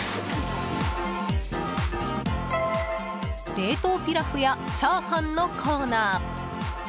冷凍ピラフやチャーハンのコーナー。